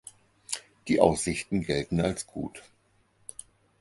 Die Aussichten gelten als gut.